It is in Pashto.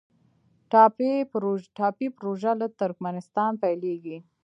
ټاپي پروژه له ترکمنستان پیلیږي